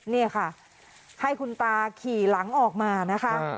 นี่ค่ะให้คุณตาขี่หลังออกมานะคะ